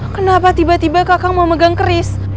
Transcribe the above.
kenapa tiba tiba kakak mau megang chris